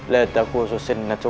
la takwusu senatu